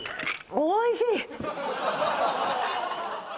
おいしい！